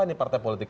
ini partai politik